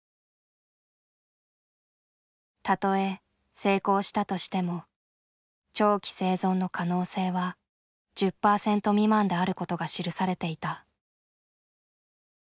たとえ成功したとしても長期生存の可能性は１０％未満であることが記されていた。